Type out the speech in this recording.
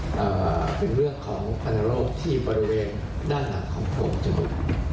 อ่าเป็นเรื่องของพันธโรคที่บริเวณด้านหลังของโพรงจมูก